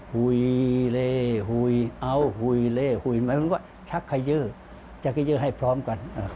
ฮุยเลฮุยเอ้าฮุยเลฮุยหมายถึงว่าชักเคยื้อชักเคยื้อให้พร้อมกัน